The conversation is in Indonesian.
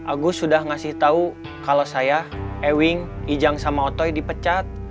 agus sudah ngasih tahu kalau saya ewing ijang sama otoi dipecat